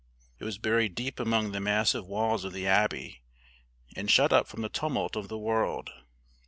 It was buried deep among the massive walls of the abbey and shut up from the tumult of the world.